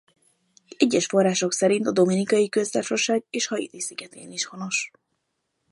Egyes források szerint a Dominikai Köztársaság és Haiti szigetén is honos.